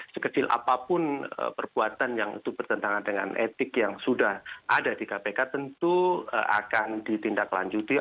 sekecil apapun perbuatan yang itu bertentangan dengan etik yang sudah ada di kpk tentu akan ditindaklanjuti